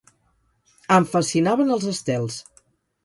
Em fascinaven els estels.